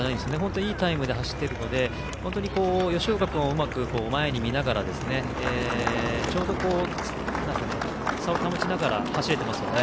いいタイムで走っているので吉岡君をうまく前に見ながらちょうど差を保ちながら走れていますね。